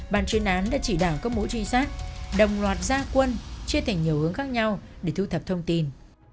bàn chuyên án đã chỉ đạo các mũi trinh sát đồng loạt gia quân chia thành nhiều hướng khác nhau để thu thập thông tin